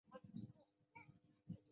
南直隶辛卯乡试。